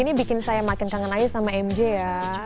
ini bikin saya makin kangen aja sama mj ya